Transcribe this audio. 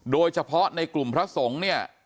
โดยเฉพาะในกลุ่มพระสงฆ์เนี่ย